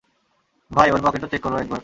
ভাই, ওর পকেটও চেক করো একবার।